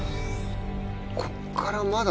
ここからまだ。